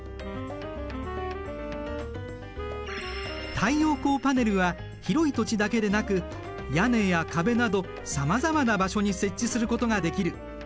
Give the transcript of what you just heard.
太陽光パネルは広い土地だけでなく屋根や壁などさまざまな場所に設置することができる。